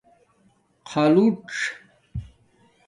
خالݸژ